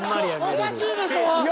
おかしいでしょ！